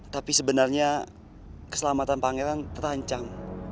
tapi sebenarnya keselamatan pangeran terancam